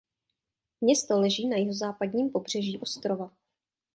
Město leží na jihozápadním pobřeží ostrova.